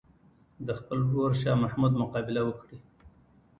د خپل ورور شاه محمود مقابله وکړي.